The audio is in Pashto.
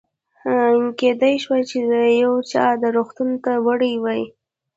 کېدای شوه چې یو چا دې روغتون ته وړی وي.